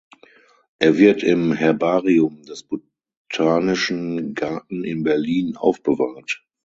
Er wird im Herbarium des Botanischen Garten in Berlin aufbewahrt.